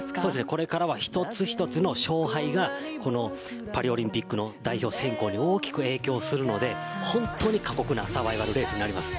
これからは１つ１つの勝敗がパリオリンピックの代表選考に大きく影響するので本当に過酷なサバイバルレースになります。